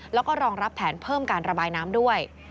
แล้วก็รองรับแผนเพิ่มการระบายน้ำด้วย